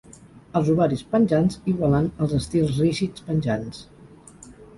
Els ovaris penjants igualant els estils rígids penjants.